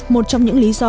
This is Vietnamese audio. một trong những lý do